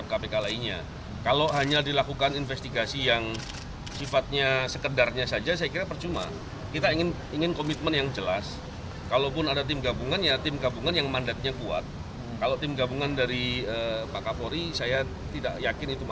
kami punya akses terhadap para pengambil kebijakan yang tersebut dinilai merupakan bagian penting dalam memberikan kepentingan